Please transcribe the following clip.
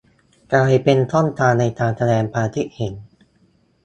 กลายเป็นช่องทางในการแสดงความคิดเห็น